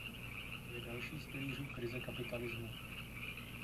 To je další z pilířů krize kapitalismu.